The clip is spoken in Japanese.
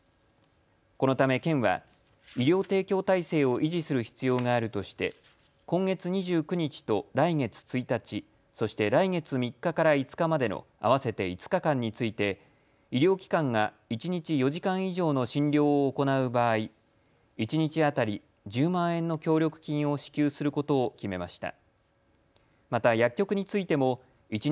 このため県は医療提供体制を維持する必要があるとして今月２９日と来月１日、そして来月３日から５日までの合わせて５日間について医療機関が一日４時間以上の診療を行う場合、一日当たり１０万円の協力金を支給することを決めました。